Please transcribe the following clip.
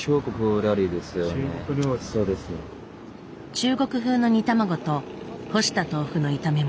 中国風の煮卵と干した豆腐の炒め物。